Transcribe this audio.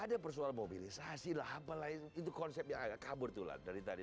ada persoalan mobilisasi lah apa lain itu konsepnya kabur tuh lah dari tadi